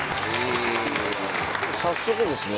早速ですね